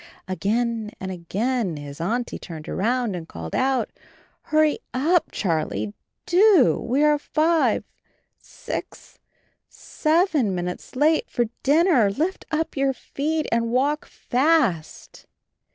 Again and again his Auntie turned round and called out: "Hurry up Charlie, do — we are five — six — seven minutes late for dinner ! Lift up your feet and walk fast."